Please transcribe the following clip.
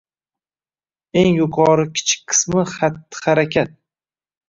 Eng yuqori kichik qismi hatti-harakat.